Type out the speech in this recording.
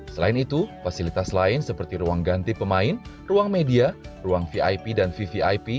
selain itu fasilitas lain seperti ruang ganti pemain ruang media ruang vip dan vvip